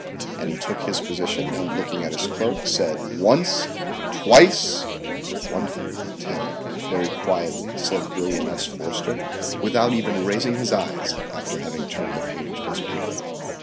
And he took his position and looking at his clerk, said: "once, twice" "One hundred and ten," very quietly said William S. Forster, without even raising his eyes, after having turned the page of his paper.